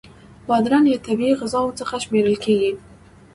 بادرنګ له طبعی غذاوو څخه شمېرل کېږي.